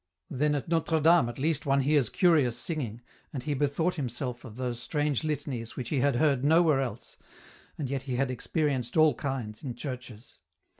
Then at Notre Dame at least one hears curious singing, and he bethought him of those strange litanies which he had heard nowhere else, and yet he had experienced all kinds, in churches.